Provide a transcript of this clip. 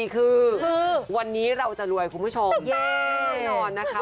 คือวันนี้เราจะรวยคุณผู้ชม